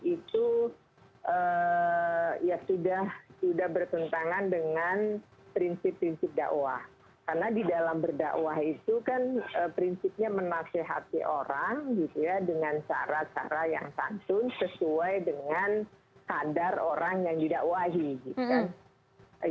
itu ya sudah bertentangan dengan prinsip prinsip dakwah karena di dalam berdakwah itu kan prinsipnya menasehati orang gitu ya dengan cara cara yang santun sesuai dengan kadar orang yang didakwahi gitu kan